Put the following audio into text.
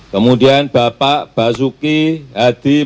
kemudian bapak basuki hadi